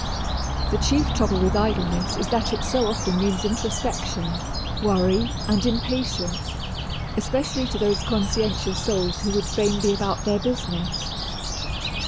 The chief trouble with idleness is that it so often means introspection, worry, and impatience, especially to those conscientious souls who would fain be about their business.